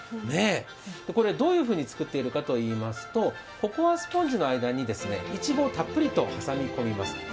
どういうふうに作っているかといいますと、ココアスポンジの間にいちごをたっぷりと挟み込みます。